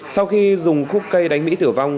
sau khi dùng khúc cây đánh mỹ tử vong